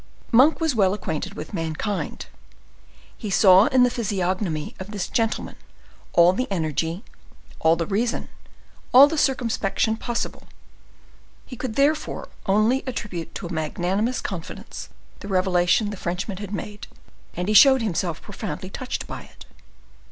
Monk was well acquainted with mankind; he saw in the physiognomy of this gentleman all the energy, all the reason, all the circumspection possible; he could therefore only attribute to a magnanimous confidence the revelation the Frenchman had made him, and he showed himself profoundly touched by it.